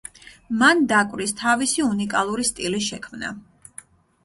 მან დაკვრის თავისი უნიკალური სტილი შექმნა.